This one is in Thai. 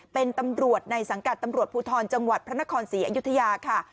เป็นตำรวจในสังกัดตำรวจภูทรจังหวัดพระนครศรีอยุธยาค่ะ